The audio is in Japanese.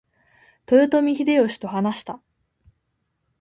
豊臣秀吉と話した。